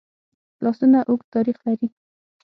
لاسونه اوږد تاریخ لري